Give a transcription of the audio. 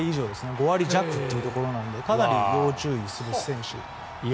５割弱というところなのでかなり要注意する選手。